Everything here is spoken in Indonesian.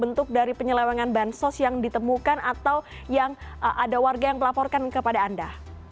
bentuk dari penyelewengan bansos yang ditemukan atau yang ada warga yang melaporkan kepada anda